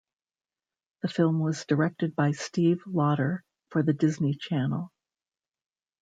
The film was directed by Steve Loter for the Disney Channel.